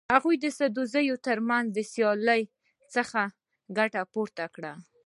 هغوی د سدوزیو تر منځ د سیالۍ څخه ګټه پورته کړه.